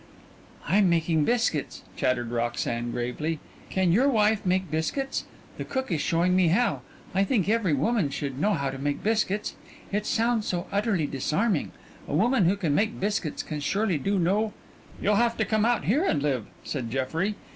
"I'm making biscuits," chattered Roxanne gravely. "Can your wife make biscuits? The cook is showing me how. I think every woman should know how to make biscuits. It sounds so utterly disarming. A woman who can make biscuits can surely do no " "You'll have to come out here and live," said Jeffrey.